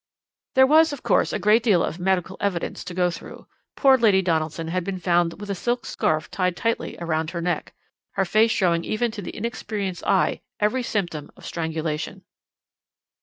"There was, of course, a great deal of medical evidence to go through. Poor Lady Donaldson had been found with a silk scarf tied tightly round her neck, her face showing even to the inexperienced eye every symptom of strangulation.